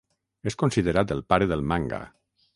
És considerat el pare del manga.